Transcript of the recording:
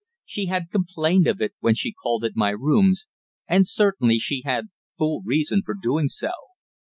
She had complained of it when she called at my rooms, and certainly she had full reason for doing so.